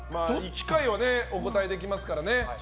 １回はお答えできますからね